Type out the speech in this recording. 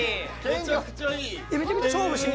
めちゃくちゃいい。